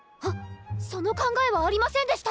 その考えはありませんでした！